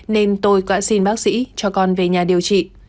nên tôi cãi xin bác sĩ cho con về nhà điều trị